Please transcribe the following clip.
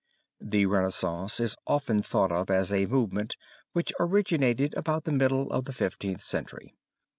The Renaissance is often thought of as a movement which originated about the middle of the Fifteenth Century.